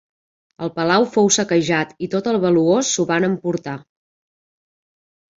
El palau fou saquejat i tot el valuós s'ho van emportar.